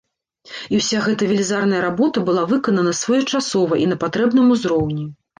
І ўся гэта велізарная работа была выканана своечасова і на патрэбным узроўні.